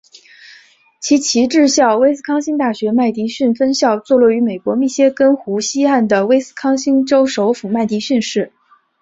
其旗帜校威斯康星大学麦迪逊分校坐落于美国密歇根湖西岸的威斯康星州首府麦迪逊市。